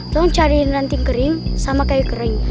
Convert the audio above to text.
tolong cariin ranting kering sama kayu kering